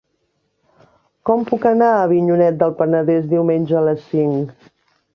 Com puc anar a Avinyonet del Penedès diumenge a les cinc?